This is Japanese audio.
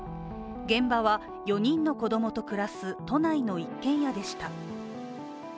現場は４人の子供と暮らす都内の一軒家でした。